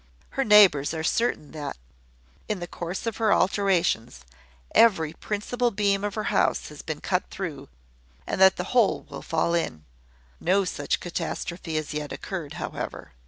Her neighbours are certain that, in the course of her alterations, every principal beam of her house has been cut through, and that the whole will fall in. No such catastrophe has yet occurred, however.